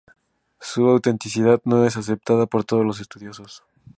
Su autenticidad no es aceptada por todos los estudiosos.